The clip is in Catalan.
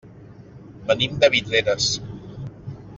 Venim de Vidreres.